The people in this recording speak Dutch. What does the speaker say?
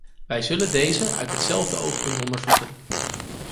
Wij zullen deze uit hetzelfde oogpunt onderzoeken.